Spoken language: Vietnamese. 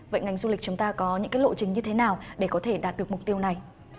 vậy ngành du lịch chúng ta có những cái lộ trình như thế nào để có thể đạt được mục tiêu này